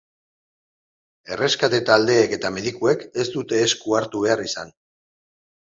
Erreskate taldeek eta medikuek ez dute esku hartu behar izan.